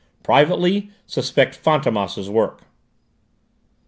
Privately, suspect Fantômas' work."